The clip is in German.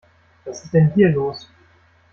Was ist denn hier los?